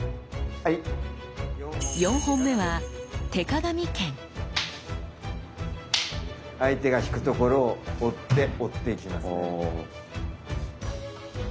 ４本目は相手が引くところを追って追っていきますね。